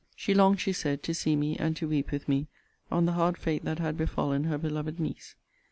She longed, she said, to see me, and to weep with me, on the hard fate that had befallen her beloved niece.